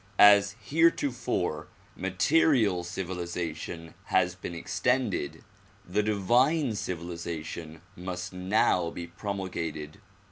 As heretofore material civilization has been extended, the divine civilization must now be promulgated.